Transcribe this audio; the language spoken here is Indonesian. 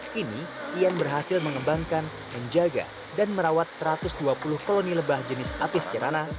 kini ian berhasil mengembangkan menjaga dan merawat satu ratus dua puluh koloni lebah jenis apis cerana